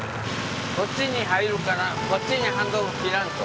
こっちに入るからこっちにハンドル切らんと。